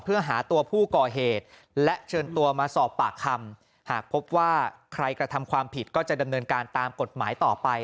เพื่อหาตัวผู้ก่อเหตุและเชิญตัวมาสอบปากคำหากพบว่าใครกระทำความผิดก็จะดำเนินการตามกฎหมายต่อไป